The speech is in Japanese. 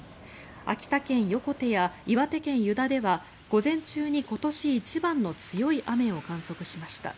秋田県横手や岩手県湯田では午前中に今年一番の強い雨を観測しました。